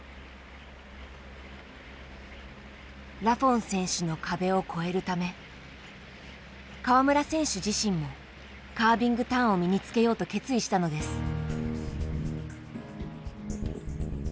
ラフォン選手の壁を越えるため川村選手自身もカービングターンを身につけようと決意したのです。